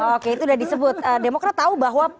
oke itu udah disebut demokra tau bahwa